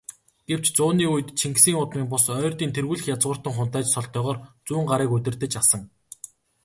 Гэвч, зууны үед Чингисийн удмын бус, Ойрдын тэргүүлэх язгууртан хунтайж цолтойгоор Зүүнгарыг удирдаж асан.